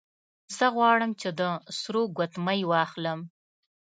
زه غواړم چې د سرو ګوتمۍ واخلم